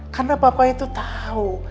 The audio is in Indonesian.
karena papa itu tahu